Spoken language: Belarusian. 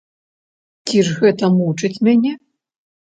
Ці ж гэта мучыць мяне?